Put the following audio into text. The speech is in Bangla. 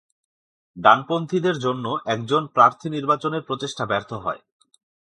ডানপন্থীদের জন্য একজন প্রার্থী নির্বাচনের প্রচেষ্টা ব্যর্থ হয়।